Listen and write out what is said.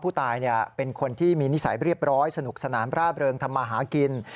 ผู้ตายเป็นคนที่มีนิสัยเรียบร้อยสนุกสนานร่าเริงทำมาหากิน